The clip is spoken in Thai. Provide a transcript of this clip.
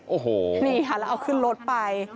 โอ้โหนี่ค่ะแล้วเอาขึ้นรถไป